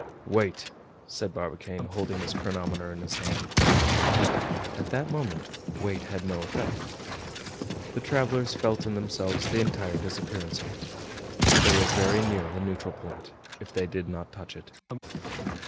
"Wait!" said Barbicane, holding his chronometer in his hand. At that moment weight had no effect. The travelers felt in themselves the entire disappearance of it. They were very near the neutral point, if they did not touch it.